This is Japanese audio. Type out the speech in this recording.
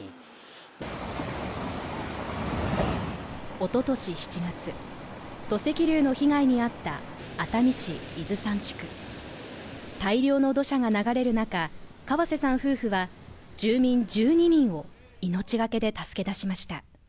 一昨年７月土石流の被害にあった熱海市伊豆山地区大量の土砂が流れる中、河瀬さん夫婦は住民１２人を命がけで助け出しました。